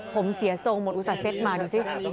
ผมเสียทรงหมดอุตส่าหเซ็ตมาดูสิ